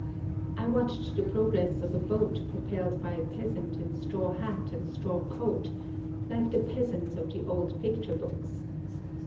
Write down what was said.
I watched the progress of a boat propelled by a peasant in straw hat and straw coat, — like the peasants of the old picture books.